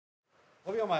５秒前。